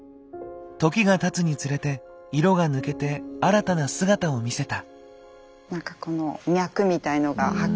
時がたつにつれて色が抜けて新たな姿を見せた。